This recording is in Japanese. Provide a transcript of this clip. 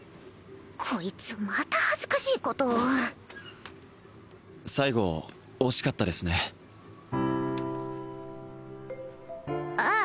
こいつまた恥ずかしいことを最後惜しかったですねああ